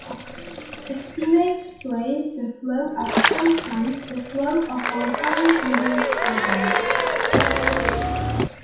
Estimates place the flow at "ten times" the flow of all current rivers combined.